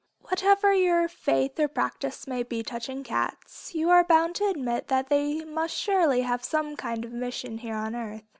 Whatever your faith or practice may be touching cats, you are bound to admit that they must surely have some kind of mission here on earth.